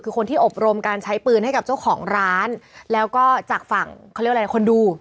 คือคนที่อบรมการใช้ปืนให้กับเจ้าของร้านแล้วก็จากฝั่งคนดู